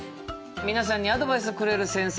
皆さんにアドバイスをくれる先生